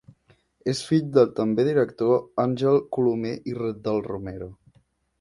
És fill del també director Àngel Colomer i del Romero.